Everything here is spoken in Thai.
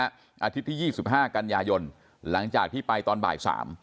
อาทิตย์ที่๒๕กันยายนหลังจากที่ไปตอนบ่าย๓